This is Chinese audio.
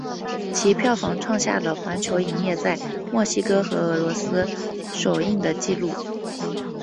其票房创下了环球影业在墨西哥和俄罗斯首映的纪录。